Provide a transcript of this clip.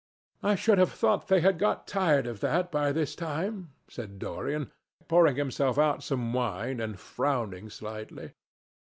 "I should have thought they had got tired of that by this time," said Dorian, pouring himself out some wine and frowning slightly.